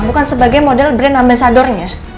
bukan sebagai model brand ambasadornya